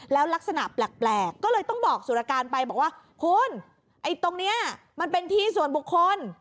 แล้วลักษณะแปลกก็เลยต้องบอกสุรการไปบอกว่าคุณไอ้ตรงนี้มันเป็นที่ส่วนบุคคล